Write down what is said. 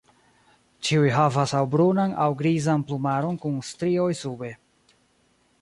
Ĉiuj havas aŭ brunan aŭ grizan plumaron kun strioj sube.